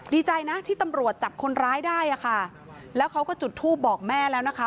ดีใจนะที่ตำรวจจับคนร้ายได้อะค่ะแล้วเขาก็จุดทูปบอกแม่แล้วนะคะ